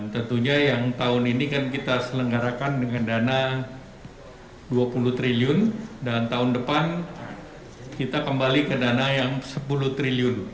tentunya yang tahun ini kan kita selenggarakan dengan dana rp dua puluh triliun dan tahun depan kita kembali ke dana yang sepuluh triliun